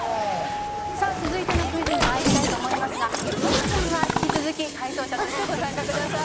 さあ続いてのクイズにまいりたいと思いますがノブさんは引き続き解答者としてご参加ください。